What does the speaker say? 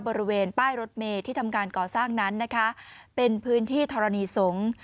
บริเวณป้ายรถเมย์ที่ทำการก่อสร้างนั้นนะคะเป็นพื้นที่ธรณีสงฆ์